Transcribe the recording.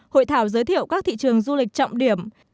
hội thảo giới thiệu các thị trường du lịch trọng điểm